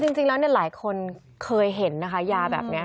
จริงแล้วหลายคนเคยเห็นนะคะยาแบบนี้